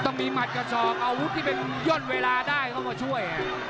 ต้องมีหมัดกับศอกอาวุธที่เป็นย่อนเวลาได้เข้ามาช่วย